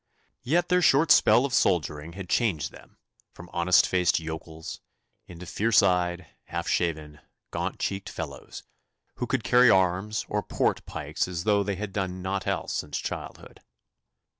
Yet their short spell of soldiering had changed them from honest faced yokels into fierce eyed, half shaven, gaunt cheeked fellows, who could carry arms or port pikes as though they had done nought else since childhood.